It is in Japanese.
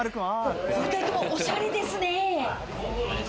２人ともおしゃれですね。